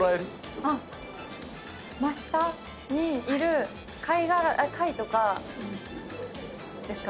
真下にいる貝とかですか？